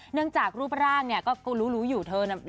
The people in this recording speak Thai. เนื่องจากรูปร่างก็รู้อยู่เธอน่ะ